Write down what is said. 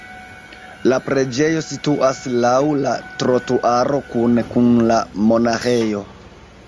La preĝejo situas laŭ la trotuaro kune kun la monaĥejo.